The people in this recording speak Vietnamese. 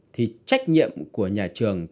thì trách nhiệm của nhà trường